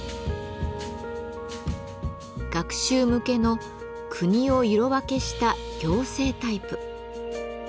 学習向けの国を色分けした行政タイプ。